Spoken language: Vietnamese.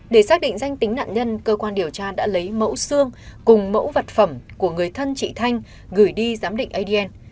để xác định danh tính nạn nhân cơ quan điều tra đã lấy mẫu xương cùng mẫu vật phẩm của người thân chị thanh gửi đi giám định adn